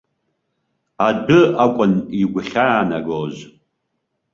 Адәы акәын игәхьаанагоз.